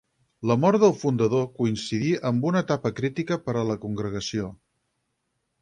La mort del fundador coincidí amb una etapa crítica per a la congregació.